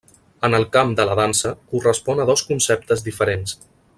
En el camp de la dansa correspon a dos conceptes diferents.